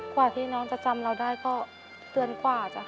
กว่าที่น้องจะจำเราได้ก็เดือนกว่าจ้ะ